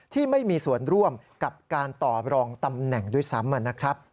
ที่ไม่มีส่วนร่วมกับการต่อรองตำแหน่งด้วยซ้ำนะครับ